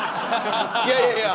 いやいやいや